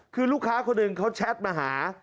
คือลูกค้าคนหนึ่งเขาแชทมาหา